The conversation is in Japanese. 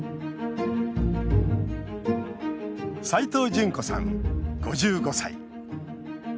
斎藤潤子さん、５５歳。